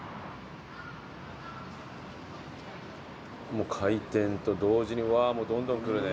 もう開店と同時にうわもうどんどん来るね。